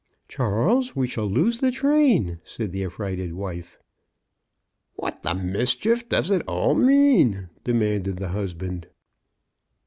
" Charles, we shall lose the train," said the affrighted wife. "What the mischief does it all mean?" de manded the husband.